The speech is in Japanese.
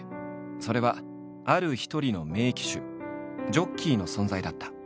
それはある一人の名騎手ジョッキーの存在だった。